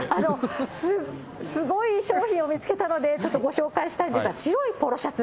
すごい商品を見つけたので、ちょっとご紹介したいんですが、白いポロシャツ。